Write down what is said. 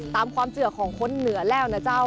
ตามความเชื่อของคนเหนือแล้วนะเจ้า